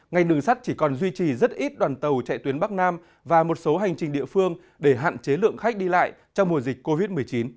ngành đường sắt chỉ còn duy trì rất ít đoàn tàu chạy tuyến bắc nam và một số hành trình địa phương để hạn chế lượng khách đi lại trong mùa dịch covid một mươi chín